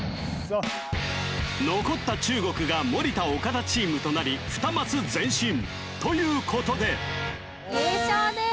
残った中国が森田岡田チームとなり２マス前進ということで優勝です！